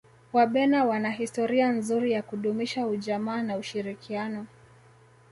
wabena wana historia nzuri ya kudumisha ujamaa na ushirikiano